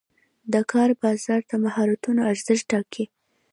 د کار بازار د مهارتونو ارزښت ټاکي.